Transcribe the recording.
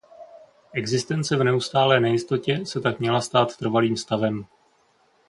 Existence v neustálé nejistotě se tak měla stát trvalým stavem.